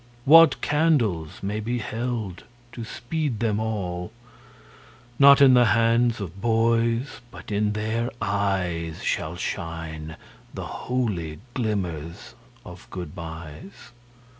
What candles may be held to speed them all? Not in the hands of boys, but in their eyes Shall shine the holy glimmers of good byes.